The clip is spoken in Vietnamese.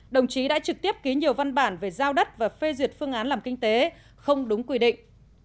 đồng chí đã trực tiếp ký nhiều văn bản về giao đất và phê duyệt phương án làm kinh tế không đúng quy định